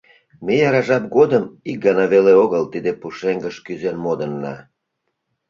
Ме яра жап годым ик гана веле огыл тиде пушеҥгыш кӱзен модынна.